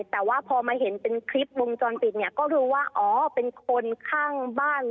แต่ว่าพอมาเห็นเป็นคลิปวงจรปิดเนี่ยก็รู้ว่าอ๋อเป็นคนข้างบ้าน